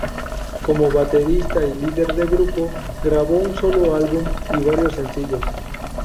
Como baterista y líder de grupo, grabó un solo álbum y varios sencillos.